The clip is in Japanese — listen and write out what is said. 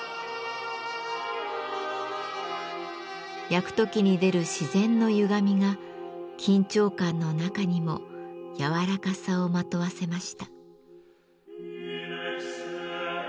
焼く時に出る自然のゆがみが緊張感の中にも柔らかさをまとわせました。